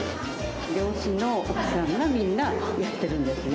漁師の奥さんがみんなやってるんですね。